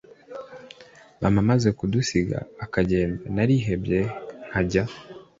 Mama amaze kudusiga akagenda narihebye nkajya